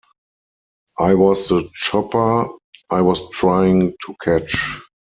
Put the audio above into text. I was the shopper I was trying to catch.